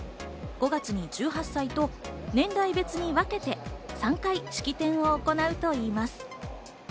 ３月に１９歳、５月に１８歳と年代別に分けて、３回式典を行うといいます。